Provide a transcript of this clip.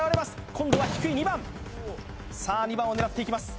今度は低い２番さあ２番を狙っていきます